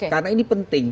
karena ini penting